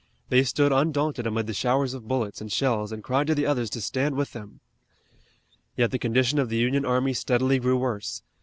They stood undaunted amid the showers of bullets and shells and cried to the others to stand with them. Yet the condition of the Union army steadily grew worse.